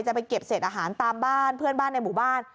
จะไปเก็บเศษอาหารตามบ้านเพื่อนบ้านในหมู่บ้าน